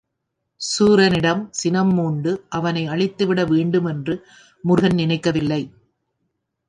சூரனிடம் சினம் மூண்டு அவனை அழித்துவிட வேண்டும் என்று முருகன் நினைக்கவில்லை.